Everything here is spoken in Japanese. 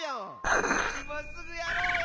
いますぐやろうや！